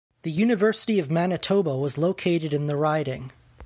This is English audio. The University of Manitoba was located in the riding.